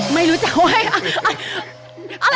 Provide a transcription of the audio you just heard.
ไม่รู้จักว่า